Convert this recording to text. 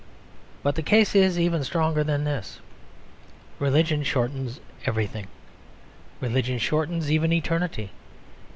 But the case is even stronger than this. Religion shortens everything. Religion shortens even eternity.